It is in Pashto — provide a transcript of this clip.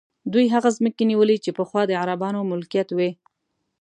دوی هغه ځمکې نیولي چې پخوا د عربانو ملکیت وې.